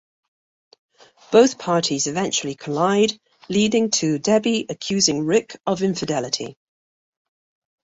Both parties eventually collide leading to Debbie accusing Rick of infidelity.